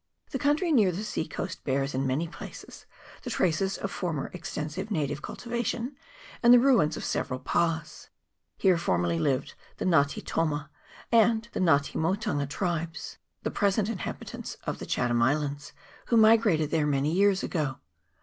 The country near the sea coast bears, in many places, the traces of former extensive native cultiva tion, and the ruins of several pas. Here formerly lived the Nga te toma and Nga te Motunga tribes, the present inhabitants of the Chatham Islands, who migrated there many years ago.